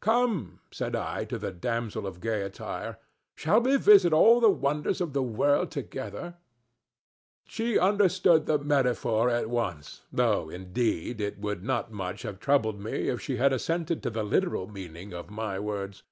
"Come," said I to the damsel of gay attire; "shall we visit all the wonders of the world together?" She understood the metaphor at once, though, indeed, it would not much have troubled me if she had assented to the literal meaning of my words.